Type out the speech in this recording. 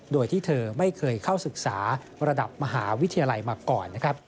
โดยที่เธอไม่เคยเข้าศึกษาระดับมหาวิทยาลัยมาก่อนนะครับ